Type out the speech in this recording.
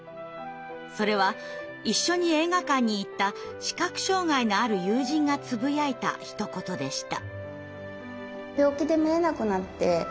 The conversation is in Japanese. それは一緒に映画館に行った視覚障害のある友人がつぶやいたひと言でした。